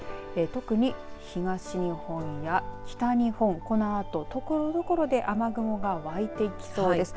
特に、東日本や北日本、このあとところどころで雨雲がわいてきそうです。